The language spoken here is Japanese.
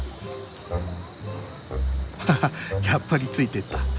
ハハッやっぱりついてった。